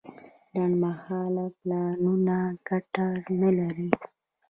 لنډمهاله پلانونه ګټه نه لري.